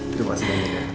terima kasih banyak ya